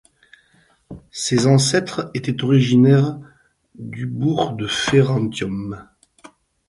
Ses ancêtres étaient originaires du bourg de Ferentium.